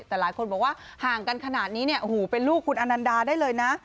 แต่หลายคนบอกว่าห่างกันขนาดนี้เนี่ยโอ้โหเป็นลูกคุณอนันดาได้เลยนะ